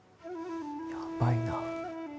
やばいな。